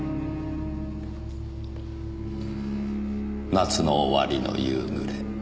夏の終わりの夕暮れ。